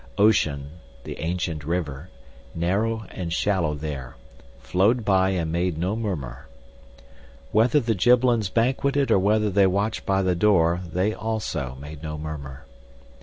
Ocean, the ancient river, narrow and shallow there, flowed by and made no murmur. Whether the Gibbelins banqueted or whether they watched by the door, they also made no murmur.